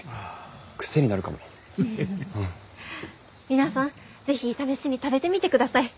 皆さん是非試しに食べてみてください。